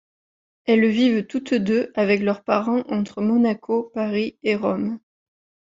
Elles vivent toutes deux avec leurs parents entre Monaco, Paris et Rome.